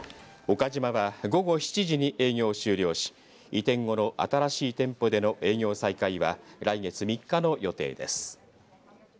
岡島は午後７時に営業を終了し移転後の新しい店舗での営業再開は来月３日の予定です。